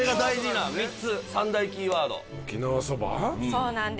そうなんです。